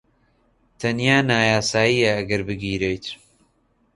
تەنیا نایاساییە ئەگەر بگیرێیت.